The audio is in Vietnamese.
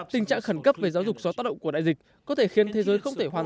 tình trạng khẩn cấp về giáo dục do tác động của đại dịch có thể khiến thế giới không thể hoàn